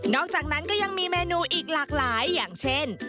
อกจากนั้นก็ยังมีเมนูอีกหลากหลายอย่างเช่น